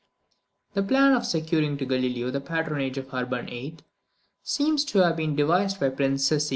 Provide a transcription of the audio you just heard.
The plan of securing to Galileo the patronage of Urban VIII. seems to have been devised by Prince Cesi.